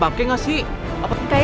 berat banget ini jenajahnya